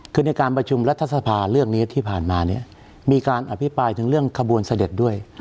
คือในการประชุมรัฐสภาเรื่องนี้ที่ผ่านมาเนี่ยมีการอภิปรายถึงเรื่องขบวนเสด็จด้วย